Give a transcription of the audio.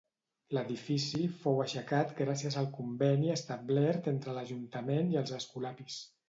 L'edifici fou aixecat gràcies al conveni establert entre l'Ajuntament i els escolapis.